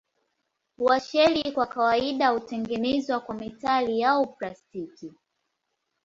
Washeli kwa kawaida hutengenezwa kwa metali au plastiki.